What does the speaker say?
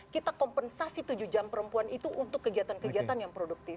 kita kompensasi tujuh jam perempuan itu untuk kegiatan kegiatan yang produktif